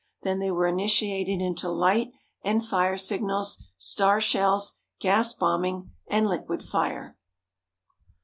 Then they were initiated into light and fire signals, star shells, gas bombing, and liquid fire.